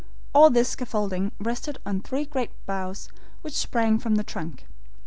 All this scaffolding rested on three great boughs which sprang from the trunk.